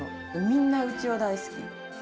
みんな、うちは大好き。